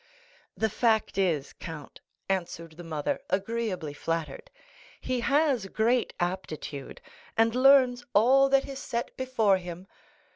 "The fact is, count," answered the mother, agreeably flattered, "he has great aptitude, and learns all that is set before him.